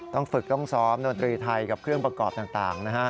ต้องฝึกต้องซ้อมดนตรีไทยกับเครื่องประกอบต่างนะฮะ